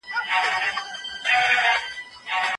پوهانو د فضا له لارې د کولرا د خپرېدو وړاندوینه وکړه.